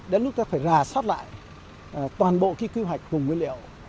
đến lúc ta phải rà soát lại toàn bộ khi kế hoạch cùng nguyên liệu